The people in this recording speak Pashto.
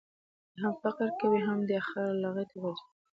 هم فقر کوې ، هم دي خر لغتي غورځوي.